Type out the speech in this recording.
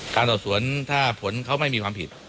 การสอบสวนถ้าผลเขาไม่มีความผิด